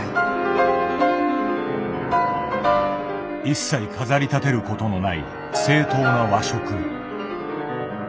一切飾りたてることのない正統な和食。